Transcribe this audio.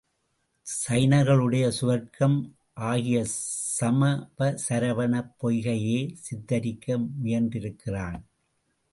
ஜைனர்களுடைய சுவர்க்கம் ஆகிய சாமவ சரவணப் பொய்கையையே சித்திரிக்க முயன்றிருக்கிறான்.